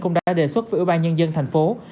cũng đã đề xuất với ủy ban nhân dân thành phố